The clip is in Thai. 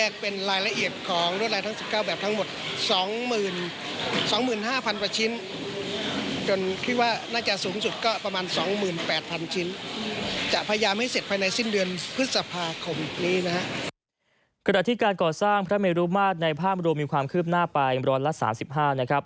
ขณะที่การก่อสร้างพระเมรุมาตรในภาพรวมมีความคืบหน้าไปร้อยละ๓๕นะครับ